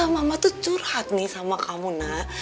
mama tuh curhat nih sama kamu nak